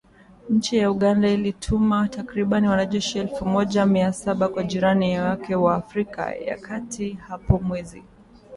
Nchi ya Uganda ilituma takribani wanajeshi elfu moja mia saba kwa jirani yake wa Afrika ya kati hapo mwezi Disemba